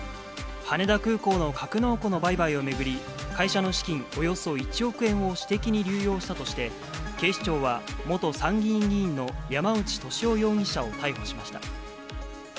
羽田空港の格納庫の売買を巡り、会社の資金、およそ１億円を私的に流用したとして、警視庁は、元参議院議員の山内俊夫容疑者を逮捕しました。